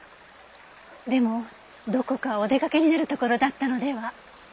でもどこかお出かけになるところだったのでは？